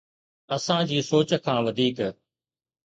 اسان جي سوچ کان وڌيڪ